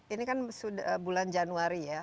ini kan sudah bulan januari ya